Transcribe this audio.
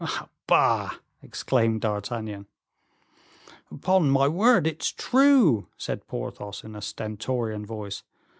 "Ah, bah!" exclaimed D'Artagnan. "Upon my word, it's true," said Porthos, in a stentorian voice.